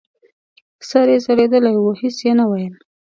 سر یې ځړېدلی و هېڅ یې نه ویل !